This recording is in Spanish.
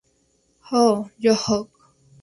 Oh Yoko!